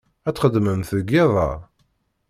Ad txedmemt deg iḍ-a?